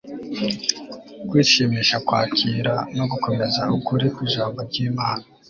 kwishimira kwakira no gukomeza ukuri kw'ijambo ry'imana